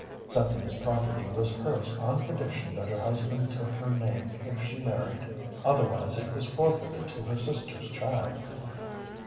Cynthia's property was hers on condition that her husband took her name if she married, otherwise it was forfeited to her sister's child.